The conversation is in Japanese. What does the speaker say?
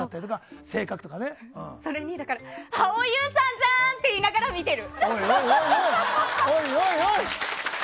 それに、蒼井優さんじゃん！って言いながら見てる。